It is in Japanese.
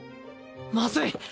まずい！